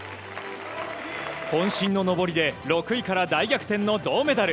渾身の登りで６位から大逆転の銅メダル。